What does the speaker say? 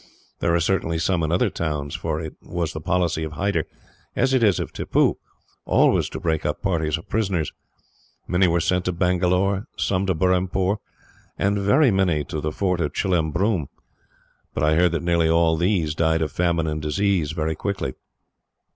There are certainly some in other towns, for it was the policy of Hyder, as it is of Tippoo, always to break up parties of prisoners. Many were sent to Bangalore, some to Burrampore, and very many to the fort of Chillembroom; but I heard that nearly all these died of famine and disease very quickly.